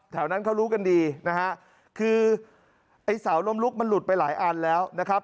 แถวนั้นเขารู้กันดีนะฮะคือไอ้เสาลมลุกมันหลุดไปหลายอันแล้วนะครับ